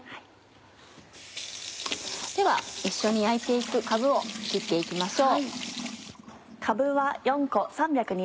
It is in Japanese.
では一緒に焼いて行くかぶを作って行きましょう。